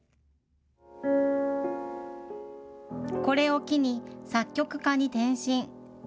これを機に、作曲家に転身。